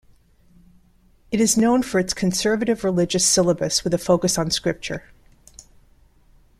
It is known for its conservative religious syllabus with a focus on scripture.